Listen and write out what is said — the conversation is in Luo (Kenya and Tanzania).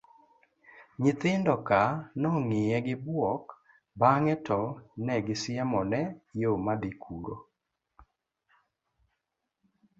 nyithindoka nong'iye gi buok bang'e to negisiemone yo madhi kuro